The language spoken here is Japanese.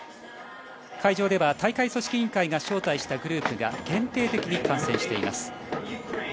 会場では大会組織委員会が招待したグループが限定的に観戦しています。